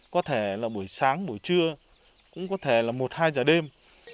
có thể là buổi sáng buổi trưa cũng có thể là một hai giờ đêm